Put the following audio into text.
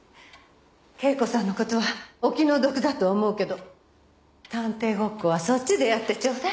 恵子さんの事はお気の毒だと思うけど探偵ごっこはそっちでやってちょうだい。